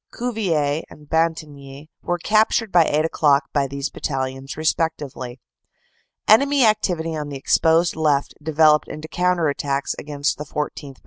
Cuvillers and Bantigny were captured by eight o clock by these battalions respectively. Enemy activity on the exposed left developed into counter attacks against the 14th.